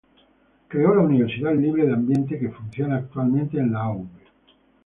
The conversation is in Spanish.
Creó la Universidad Libre del Ambiente que funciona actualmente en la Av.